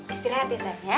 istirahat ya saif ya